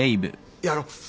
いやあの。